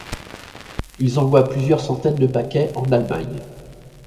Ils envoient plusieurs centaines de paquets en Allemagne.